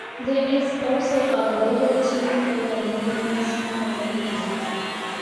There is also a later team called the New Masters of Evil.